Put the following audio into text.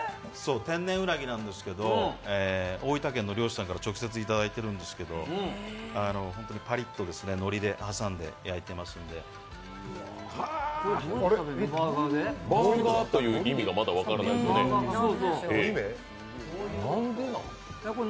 天然うなぎなんですけど、大分県の漁師さんから直接いただいているんですけど、本当にパリッとのりで挟んで焼いていますのでバーガーという意味がまだ分からないですね、なんでなん？